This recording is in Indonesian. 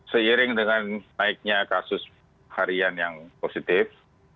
seiring dengan naiknya kasus harian yang positif